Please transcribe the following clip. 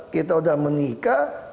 kita udah menikah